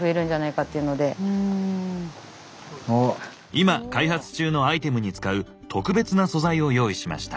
今開発中のアイテムに使う特別な素材を用意しました。